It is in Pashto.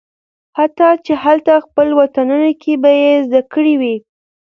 حتی چې هالته خپل وطنونو کې به یې زده کړې وي